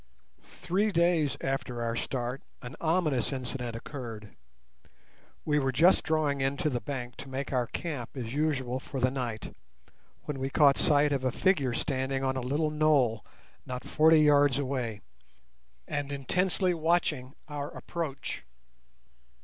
Three days after our start an ominous incident occurred. We were just drawing in to the bank to make our camp as usual for the night, when we caught sight of a figure standing on a little knoll not forty yards away, and intensely watching our approach.